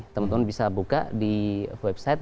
teman teman bisa buka di website